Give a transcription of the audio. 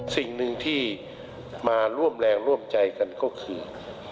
สิ่งหนึ่งที่มาร่วมแรงร่วมใจกันก็คือ